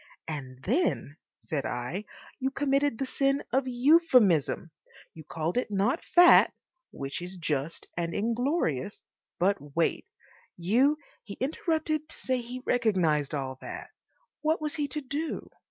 "And then," said I, "you committed the sin of euphuism. You called it not Fat, which is just and inglorious, but Weight. You—" He interrupted to say he recognised all that. What was he to DO?